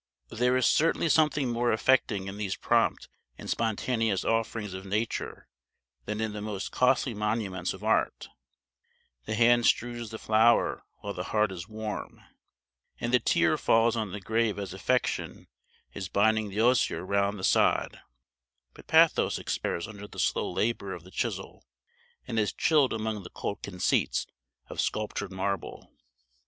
There is certainly something more affecting in these prompt and spontaneous offerings of Nature than in the most costly monuments of art; the hand strews the flower while the heart is warm, and the tear falls on the grave as affection is binding the osier round the sod; but pathos expires under the slow labor of the chisel, and is chilled among the cold conceits of sculptured marble.